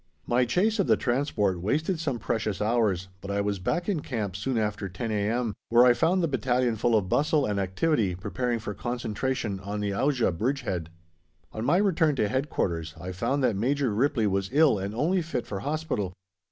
My chase of the transport wasted some precious hours, but I was back in camp soon after 10 a.m., where I found the battalion full of bustle and activity, preparing for concentration on the Auja bridgehead. On my return to Headquarters I found that Major Ripley was ill and only fit for hospital.